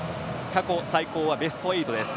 過去最高はベスト８です。